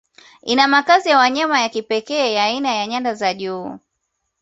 Ina makazi ya wanyama ya kipekee ya aina ya nyanda za juu